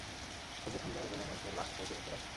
হযরত হামযা রাযিয়াল্লাহু আনহু-এর লাশ এক সময় সে দেখতে পায়।